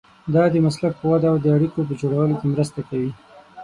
دا د مسلک په وده او د اړیکو په جوړولو کې مرسته کوي.